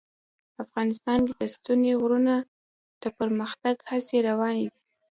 افغانستان کې د ستوني غرونه د پرمختګ هڅې روانې دي.